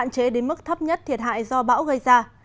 chế đến mức thấp nhất thiệt hại do bão gây ra